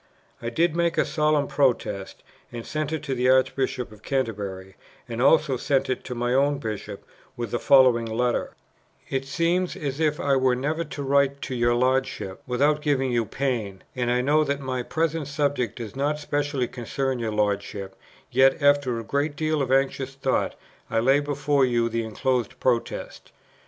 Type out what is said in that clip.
I did make a solemn Protest, and sent it to the Archbishop of Canterbury, and also sent it to my own Bishop with the following letter: "It seems as if I were never to write to your Lordship, without giving you pain, and I know that my present subject does not specially concern your Lordship; yet, after a great deal of anxious thought, I lay before you the enclosed Protest.